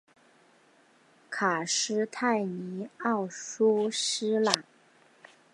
卡斯泰尼奥苏斯朗。